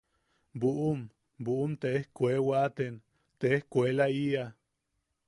“buʼum... buʼum te ejkue... waatem te ejkuelaʼiʼa.